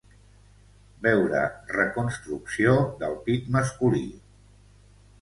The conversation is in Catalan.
Veure reconstrucció del pit masculí.